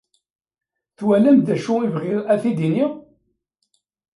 Twalamt d acu i bɣiɣ ad t-id-iniɣ?